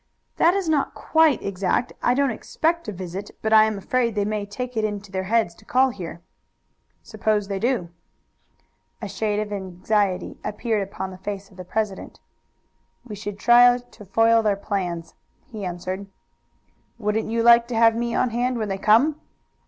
"That is not quite exact. I don't expect a visit, but I am afraid they may take it into their heads to call here." "Suppose they do." A shade of anxiety appeared upon the face of the president. "We should try to foil their plans," he answered. "Wouldn't you like to have me on hand when they come?"